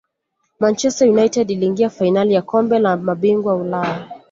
manchester united iliingia fainali ya kombe la mabingwa ulaya